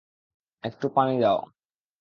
একটু পানি দাও!